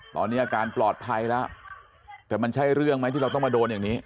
ตอนนี้อาการปลอดภัยแล้วแต่มันใช่เรื่องไหมที่เราต้องมาโดนอย่างนี้